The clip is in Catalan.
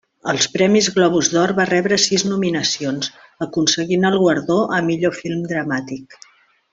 Als Premis Globus d'Or va rebre sis nominacions, aconseguint el guardó a millor film dramàtic.